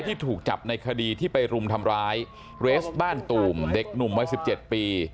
ที่ถูกจับในคดีที่ไปรุมทำร้ายเรสบ้านตูมเด็กหนุ่มวัย๑๗ปี